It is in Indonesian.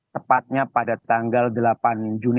tepatnya pada tanggal delapan juni